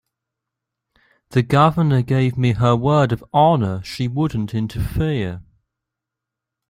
The Governor gave me her word of honor she wouldn't interfere.